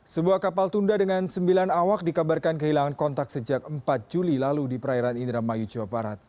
sebuah kapal tunda dengan sembilan awak dikabarkan kehilangan kontak sejak empat juli lalu di perairan indramayu jawa barat